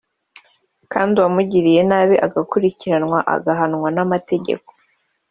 kandi uwamugiriye nabi agakurikiranwa agahanwa n’amategeko